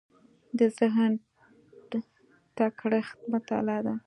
د ذهن تکړښت مطالعه ده.